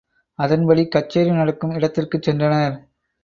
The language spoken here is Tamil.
அதன்படி கச்சேரி நடக்கும் இடத்திற்குச் சென்றனர்.